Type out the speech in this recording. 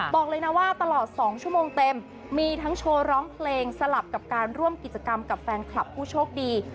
บอกเลยนะว่าตลอด๒ชั่วโมงเต็มมีทั้งโชว์ร้องเพลงสลับกับการร่วมกิจกรรมกับแฟนคลับผู้โชคดี